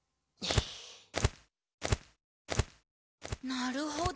なるほど。